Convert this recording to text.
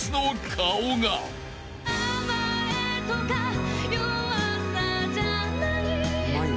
「甘えとか弱さじゃない」